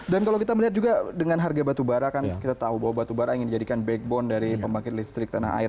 dan kalau kita melihat juga dengan harga batubara kan kita tahu bahwa batubara ingin dijadikan backbone dari pembangkit listrik tanah air